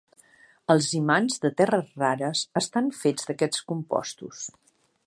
Els imants de terres rares estan fets d'aquests compostos.